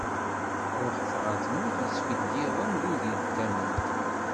Ṛuḥet ɣer tmurt yettfeggiḍen d udi d tament.